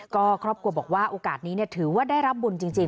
ก็ครอบครัวบอกว่าโอกาสนี้ถือว่าได้รับบุญจริง